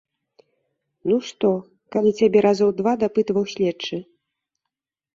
Ну што, калі цябе разоў два дапытваў следчы?